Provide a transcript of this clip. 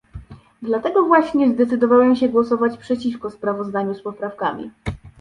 Dlatego właśnie zdecydowałem się głosować przeciwko sprawozdaniu z poprawkami